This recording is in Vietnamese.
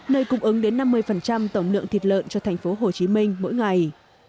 nơi cung ứng đến năm mươi tổng lượng thịt lợn cho thành phố hồ chí minh mỗi ngày